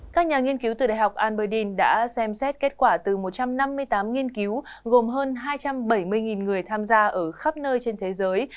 các nhà nghiên cứu từ đại học alberdin đã xem xét kết quả từ một trăm năm mươi tám nghiên cứu gồm hơn hai trăm bảy mươi người tham gia ở khắp nơi trên thế giới